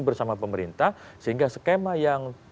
bersama pemerintah sehingga skema yang